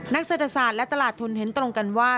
เศรษฐศาสตร์และตลาดทุนเห็นตรงกันว่า